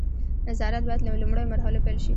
نظارت باید له لومړیو مرحلو پیل شي.